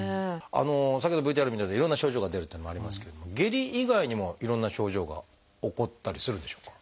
先ほどＶＴＲで見たようないろんな症状が出るというのもありますけれども下痢以外にもいろんな症状が起こったりするんでしょうか？